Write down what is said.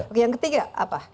oke yang ketiga apa